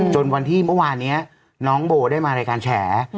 จนวันที่เมื่อวานนี้น้องโบได้มารายการแฉ